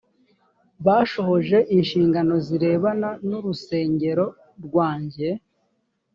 bashohoje inshingano zirebana n urusengero rwanjye